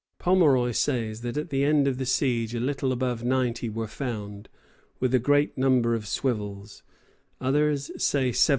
Pomeroy says that at the end of the siege a little above ninety were found, with "a great number of swivels;" others say seventy six.